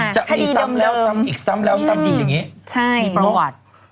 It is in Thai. จะมีซ้ำแล้วซ้ำอีกซ้ำแล้วซ้ำอีกอย่างนี้มีประวัติ